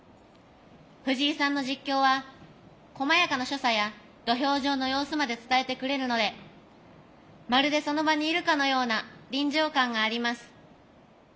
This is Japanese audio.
藤井さんの実況はこまやかな所作や土俵上の様子まで伝えてくれるのでまるでその場にいるかのような臨場感があります。